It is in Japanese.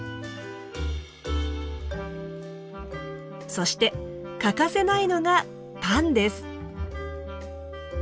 そして欠かせないのがパンです。